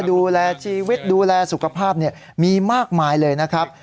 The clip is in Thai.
ดูแลชีวิตดูแลสุขภาพมีมากมายเลยนะครับ